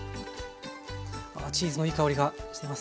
ああチーズのいい香りがしてます。